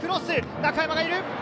中山がいる！